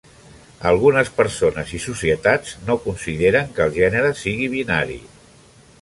Algunes persones i societats no consideren que el gènere sigui binari.